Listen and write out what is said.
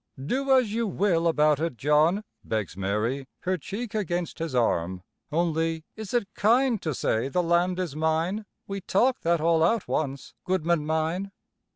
"Do as you will about it, John," begs Mary, her cheek against his arm, "only is it kind to say the land is mine? We talked that all out once, goodman mine.